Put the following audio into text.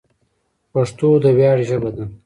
پښتو د ویاړ ژبه ده.